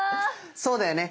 そうだよね。